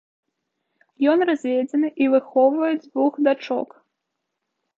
Ён разведзены і выхоўвае дзвюх дачок.